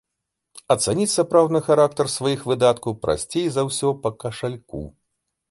Ацаніць сапраўдны характар сваіх выдаткаў прасцей за ўсё па кашальку.